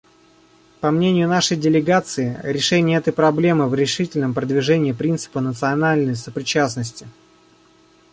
По мнению нашей делегации, решение этой проблемы — в решительном продвижении принципа национальной сопричастности.